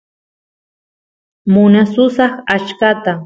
munasusaq achkata